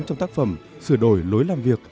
trong tác phẩm sửa đổi lối làm việc